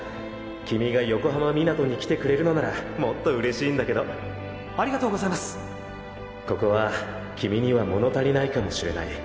君が横浜湊に来てくれるのならもっと嬉しいんだけどありがとうございここは君には物足りないかもしれない。